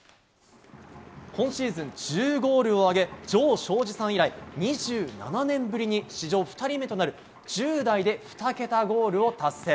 今シーズン、１０ゴールを挙げ城さん以来２７年ぶりに史上２人目となる１０代で２桁ゴールを達成。